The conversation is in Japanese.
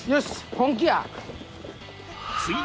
本気や。